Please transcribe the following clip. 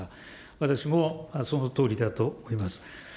私もそのとおりだと思います。